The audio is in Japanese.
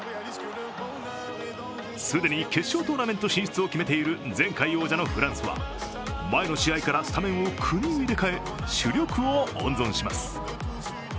既に決勝トーナメント進出を決めている前回王者のフランスは前の試合からスタメンを９人入れ替え、主力を温存します。